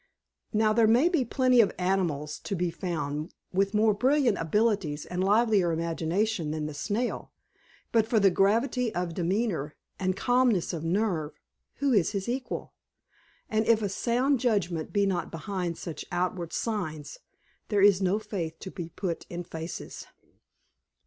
Now there may be plenty of animals to be found with more brilliant abilities and livelier imagination than the Snail, but for gravity of demeanour and calmness of nerve who is his equal? And if a sound judgment be not behind such outward signs, there is no faith to be put in faces!